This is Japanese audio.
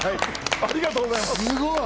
ありがとうございます。